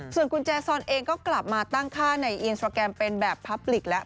ส่วนคุณแจซอนเองก็กลับมาตั้งค่าในอินสตราแกรมเป็นแบบพับลิกแล้ว